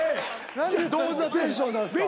どんなテンションなんですか？